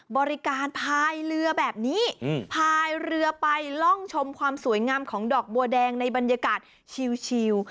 บริการพายเรือแบบนี้พายเรือไปล่องชมความสวยงามของดอกบัวแดงในบรรยากาศชิล